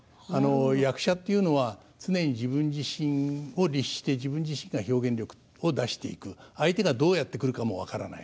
役者というのは常に自分自身を律して自分自身が表現力を出していく相手がどうやってくるかも分からない